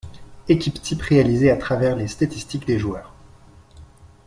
Équipe-type réalisée à travers les statistiques des joueurs.